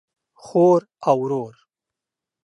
خور او ورور